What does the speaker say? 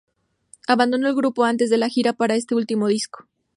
Abandonó el grupo antes de la gira para este último disco.